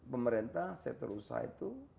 pemerintah seter usaha itu